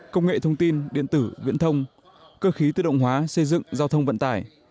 công nghệ thông tin điện tử viễn thông cơ khí tự động hóa xây dựng giao thông vận tải